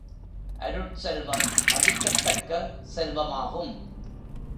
அருட்செல்வம் மதிக்கத் தக்க செல்வ மாகும்.